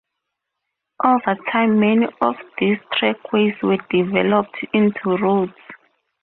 Over time, many of these trackways were developed into roads.